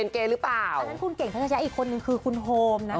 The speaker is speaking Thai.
คุณเก่งกันชะยะอีกคนนึงคือคุณโฮมนะครับ